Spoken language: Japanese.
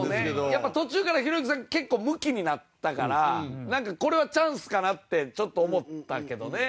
やっぱ途中からひろゆきさん結構ムキになったからなんかこれはチャンスかなってちょっと思ったけどね。